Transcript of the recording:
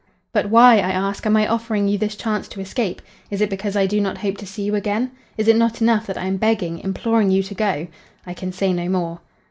But why, I ask, am I offering you this chance to escape? Is it because I do not hope to see you again? Is it not enough that I am begging, imploring you to go? I can say no more."